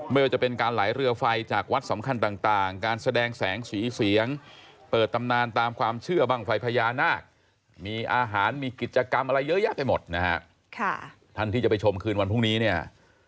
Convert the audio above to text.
มีกิจกรรมอะไรเยอะแยะทั้งหมดนะครับท่านที่จะไปชมคืนวันพรุ่งนี้เนี่ย